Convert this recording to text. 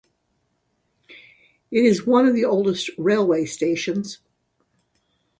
It is one of the oldest railway station.